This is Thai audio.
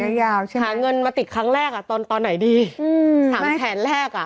หลายคนก็จะบอกหาเงินมาติดครั้งแรกอ่ะตอนไหนดี๓แสนแรกอ่ะ